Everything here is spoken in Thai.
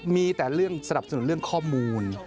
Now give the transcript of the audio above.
มีแต่เรื่องสนับสนุนเรื่องข้อมูล